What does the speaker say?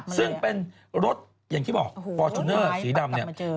ซึ่งเป็นรถอย่างที่บอกฟอร์จูเนอร์สีดำเนี่ย